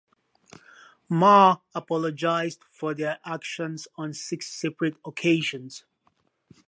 Ma apologized for their actions on six separate occasions.